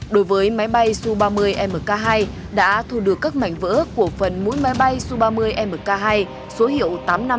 đối với máy bay su ba mươi mk hai đã thu được các mảnh vỡ của phần mũi máy bay su ba mươi mk hai số hiệu tám nghìn năm trăm tám mươi năm